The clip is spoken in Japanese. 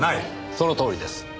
そのとおりです。